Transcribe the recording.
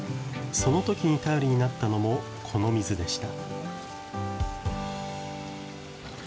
そのときに頼りになったのもこの水でした。